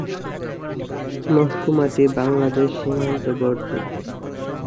মহকুমাটি বাংলাদেশ সীমান্তবর্তী।